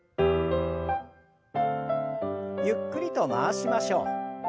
ゆっくりと回しましょう。